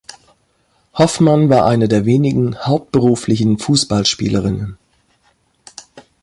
Hoffmann war eine der wenigen hauptberuflichen Fußballspielerinnen.